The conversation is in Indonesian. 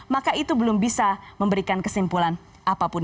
maka itu belum bisa memberikan kesimpulan apapun